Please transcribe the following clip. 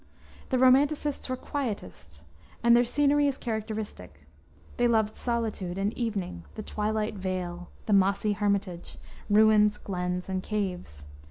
The romanticists were quietists, and their scenery is characteristic. They loved solitude and evening, the twilight vale, the mossy hermitage, ruins, glens, and caves.